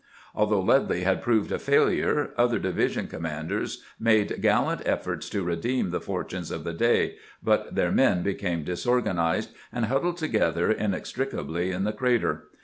Although Ledlie had proved a failure, other division commanders made gallant efforts to re deem the fortunes of the day, but their men became disorganized, and huddled together inextricably in the crater.